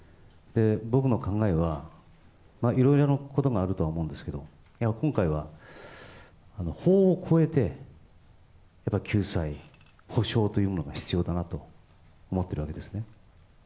僕の考えは、いろいろなことがあるとは思うんですけど、今回は法を超えてやっぱり救済、補償というものが必要だなと思ってるわけですね。